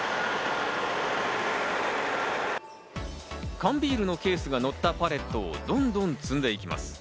缶ビールのケースが載ったパレットをどんどん積んでいきます。